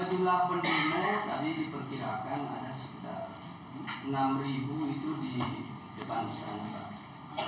jumlah penyelamatan tadi diperkirakan ada sekitar enam itu di depan serangga